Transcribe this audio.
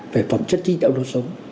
về phẩm chất thi đạo đồ sống